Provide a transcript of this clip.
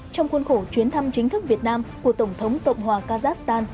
trong khuôn khổ chuyến thăm chính thức việt nam của tổng thống cộng hòa kazakhstan